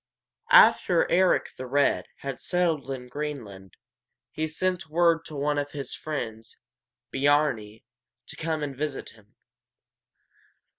After Eric the Red had settled in Greenland, he sent word to one of his friends, Biar´ni, to come and visit him.